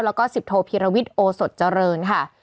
แล้วก็สิบโทพีรวิทย์โอสดเจริญค่ะ